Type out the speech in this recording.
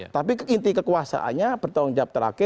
tapi inti kekuasaannya bertanggung jawab terakhir